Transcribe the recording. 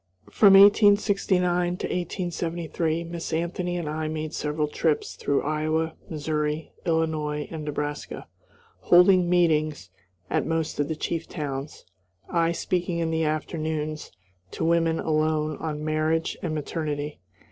From 1869 to 1873 Miss Anthony and I made several trips through Iowa, Missouri, Illinois, and Nebraska, holding meetings at most of the chief towns; I speaking in the afternoons to women alone on "Marriage and Maternity."